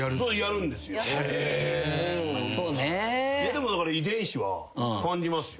でもだから遺伝子は感じますよ。